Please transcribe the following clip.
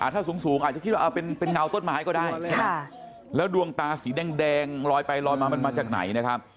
ถ้าสูงอาจจะคิดว่าเป็นเงาต้นไม้ก็ได้ใช่ไหมแล้วดวงตาสีแดงลอยไปลอยมามันมาจากไหนนะครับ